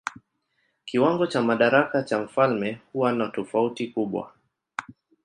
Kiwango cha madaraka cha mfalme huwa na tofauti kubwa.